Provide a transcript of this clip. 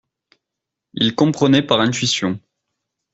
Il comprenait par intuition.